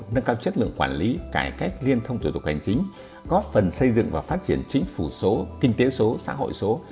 nâng cao chất lượng quản lý cải cách liên thông thủ tục hành chính góp phần xây dựng và phát triển chính phủ số kinh tế số xã hội số